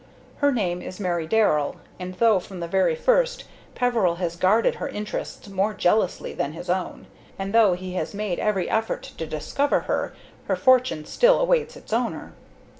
Her name is Mary Darrell, and though from the very first Peveril has guarded her interests more jealously than his own, and though he has made every effort to discover her, her fortune still awaits its owner.